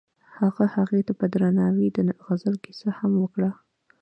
هغه هغې ته په درناوي د غزل کیسه هم وکړه.